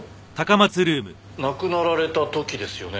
亡くなられた時ですよね